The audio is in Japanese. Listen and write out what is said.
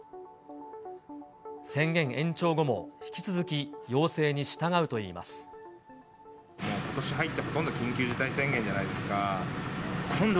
宣言延長後も引き続き要請にもうことし入って、ほとんど緊急事態宣言じゃないですか。